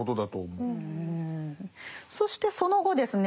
そしてその後ですね